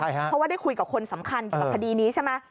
เพราะว่าได้คุยกับคนสำคัญกับปฏิรินี้ใช่ไหม